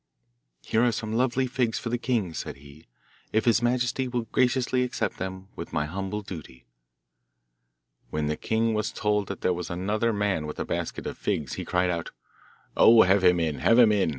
'Here are some lovely figs for the king,' said he, 'if his majesty will graciously accept them with my humble duty.' When the king was told that there was another man with a basket of figs he cried out, 'Oh, have him in, have him in!